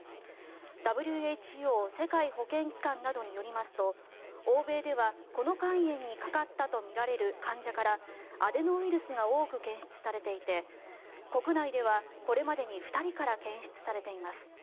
ＷＨＯ・世界保健機関などによりますと欧米ではこの肝炎にかかったとみられる患者からアデノウイルスが多く検出されていて国内では、これまでに２人から検出されています。